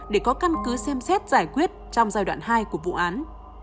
để có căn cứ xem xét giải quyết trong giai đoạn hai của vụ án